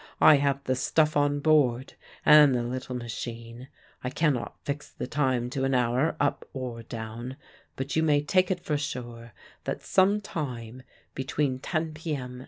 I have the stuff on board and the little machine. I cannot fix the time to an hour up or down; but you may take it for sure that _some time between 10 p.m.